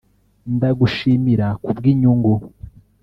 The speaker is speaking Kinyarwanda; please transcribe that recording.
ndagushimira ku bw’inyungu